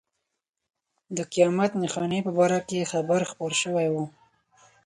د قیامت نښانې په باره کې خبر خپور شوی و.